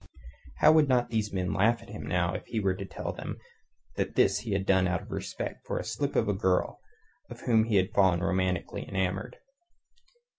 How would not these men laugh at him now if he were to tell them that this he had done out of respect for a slip of a girl of whom he had fallen romantically enamoured?